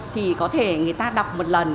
thì có thể người ta đọc một lần